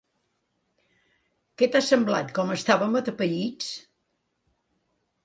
Què t'ha semblat com estàvem atapeïts?